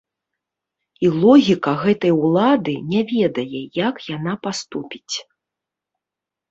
І логіка гэтай улады не ведае, як яна паступіць.